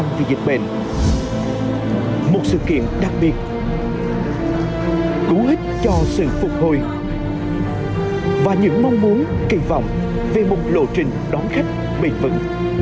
trong thời gian dịch bệnh một sự kiện đặc biệt cú ích cho sự phục hồi và những mong muốn kỳ vọng về một lộ trình đón khách bình vẩn